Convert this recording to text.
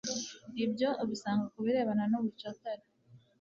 Ibyo ubisanga ku birebana n'ubucakara,